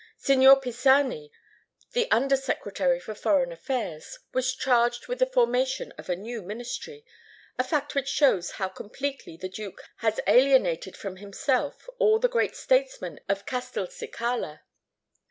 Signor Pisani, the Under Secretary for Foreign Affairs, was charged with the formation of a new ministry—a fact which shows how completely the Duke has alienated from himself all the great statesmen of Castelcicala."